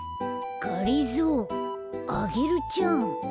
がりぞーアゲルちゃん。